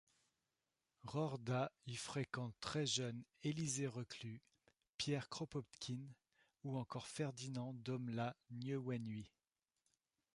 Roorda y fréquente très jeune Élisée Reclus, Pierre Kropotkine ou encore Ferdinand Domela Nieuwenhuis.